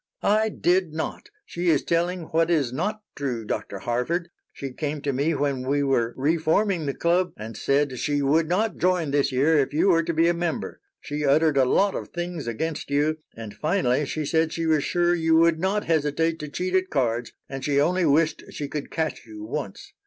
"I did not. She is telling what is not true, Dr. Harford. She came to me when we were re forming the club and said she would not join this year if you were to be a member. She uttered a lot of things against you, and finally she said she was sure you would not hesitate to cheat at cards, and she only wished she could catch you once.